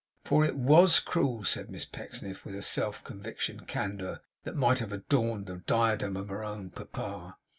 For it WAS cruel,' said Miss Pecksniff, with a self conviction candour that might have adorned the diadem of her own papa.